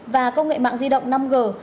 và công nghệ mạng di động năm g